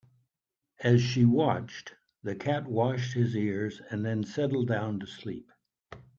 As she watched, the cat washed his ears and then settled down to sleep.